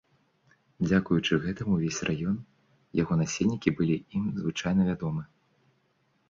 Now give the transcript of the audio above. Дзякуючы гэтаму ўвесь раён, яго насельнікі былі ім звычайна вядомы.